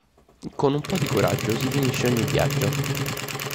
Con un pò di coraggio si finisce ogni viaggio.